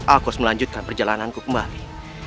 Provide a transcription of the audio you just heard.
aku harus melanjutkan perjalananku kembali